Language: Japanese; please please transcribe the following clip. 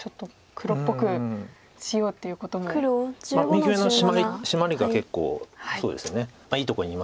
右上のシマリが結構そうですねいいとこにいますから。